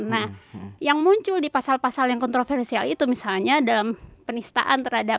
nah yang muncul di pasal pasal yang kontroversial itu misalnya dalam penistaan terhadap